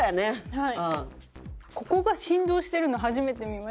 はい。